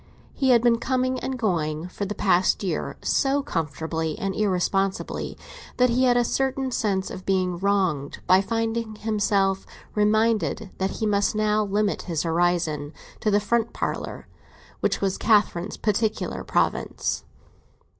He had been coming and going, for the past year, so comfortably and irresponsibly, that he had a certain sense of being wronged by finding himself reminded that he must now limit his horizon to the front parlour, which was Catherine's particular province.